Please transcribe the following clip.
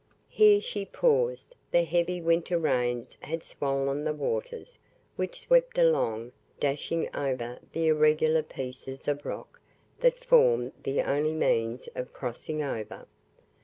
Here she paused. The heavy winter rains had swollen the waters, which swept along, dashing over the irregular pieces of rock that formed the only means of crossing over.